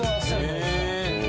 へえ。